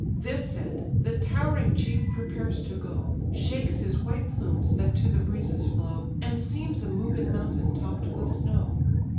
This said, the towering chief prepares to go, Shakes his white plumes that to the breezes flow, And seems a moving mountain topp'd with snow.